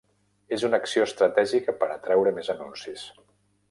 És una acció estratègica per atreure més anuncis.